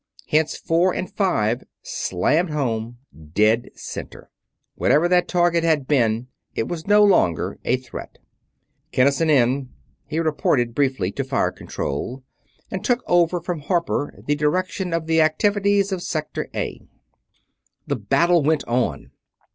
Hence Four and Five slammed home; dead center. Whatever that target had been, it was no longer a threat. "Kinnison, in," he reported briefly to Fire Control, and took over from Harper the direction of the activities of Sector A. The battle went on.